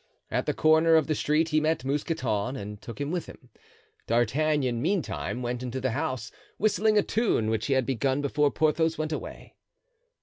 At the corner of the street he met Mousqueton and took him with him. D'Artagnan, meantime, went into the house, whistling a tune which he had begun before Porthos went away.